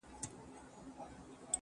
رویباری د بېګانه خلکو تراب کړم!